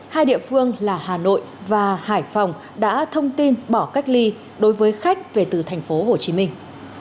hai địa phương là hà nội và hải phòng đã thông tin bỏ cách ly đối với khách về từ thành phố hồ chí minh